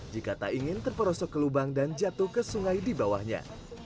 jika tak ingin terperosok ke lubang dan jatuh ke sungai di bawahnya